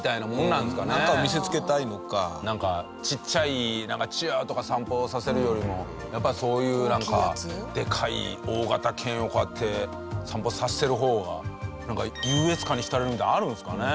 ちっちゃいチワワとか散歩させるよりもやっぱりそういうなんかでかい大型犬をこうやって散歩させてる方が優越感に浸れるみたいなのあるんですかね。